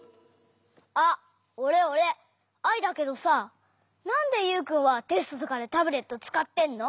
あっおれおれアイだけどさなんでユウくんはテストとかでタブレットつかってんの？